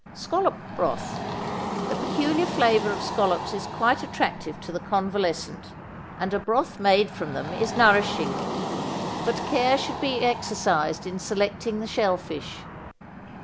=Scallop Broth.= The peculiar flavor of scallops is quite attractive to the convalescent, and a broth made from them is nourishing; but care should be exercised in selecting the shell fish.